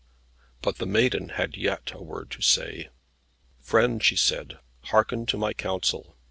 But the Maiden had yet a word to say. "Friend," she said, "hearken to my counsel.